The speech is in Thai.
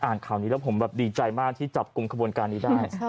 อ่านคราวนี้แล้วผมดีใจมากที่จับกรุมข้อบไฟข็ดใจ